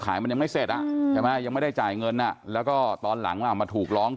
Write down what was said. ขายมันยังไม่เสร็จยังไม่ได้จ่ายเงินนะแล้วก็ตอนหลังมาถูกร้อง